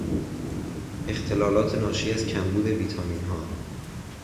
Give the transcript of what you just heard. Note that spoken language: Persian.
اختلالات ناشی از کمبود ویتامینها